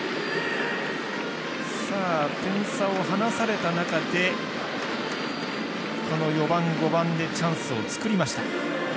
点差を離された中でこの４番、５番でチャンスを作りました。